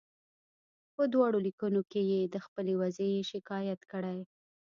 په دواړو لیکونو کې یې د خپلې وضعې شکایت کړی.